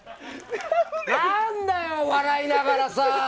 何だよ、笑いながらさ！